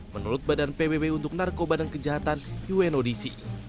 menurut badan pbb untuk narkoba dan kejahatan unodc